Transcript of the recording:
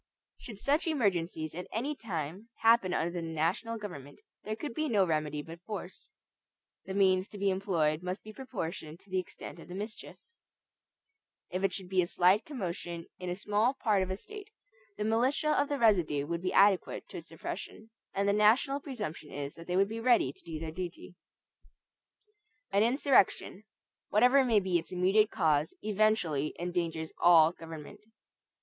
Should such emergencies at any time happen under the national government, there could be no remedy but force. The means to be employed must be proportioned to the extent of the mischief. If it should be a slight commotion in a small part of a State, the militia of the residue would be adequate to its suppression; and the national presumption is that they would be ready to do their duty. An insurrection, whatever may be its immediate cause, eventually endangers all government.